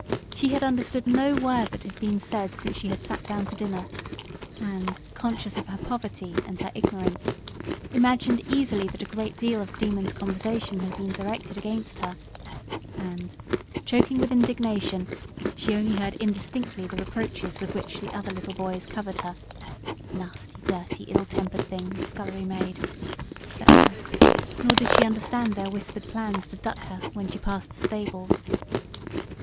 She had understood no word that had been said since she had sat down to dinner, and, conscious of her poverty and her ignorance, she imagined that a great deal of the Demon's conversation had been directed against her; and, choking with indignation, she only heard indistinctly the reproaches with which the other little boys covered her "nasty, dirty, ill tempered thing, scullery maid," etc.; nor did she understand their whispered plans to duck her when she passed the stables.